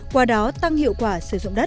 qua đó tăng hiệu quả sử dụng đất